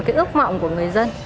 cái ước mộng của người dân